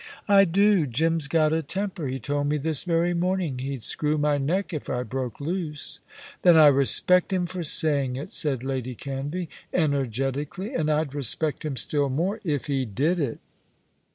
"I do. Jim's got a temper. He told me this very morning he'd screw my neck if I broke loose." "Then I respect him for saying it," said Lady Canvey, energetically; "and I'd respect him still more if he did it."